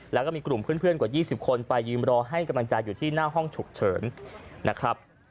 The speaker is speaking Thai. แล้วก็มีกลุ่มเพื่อนกว่า๒๐คนไปยืนรอให้กำลังใจอยู่ที่หน้าห้องฉุกเฉินนะครับ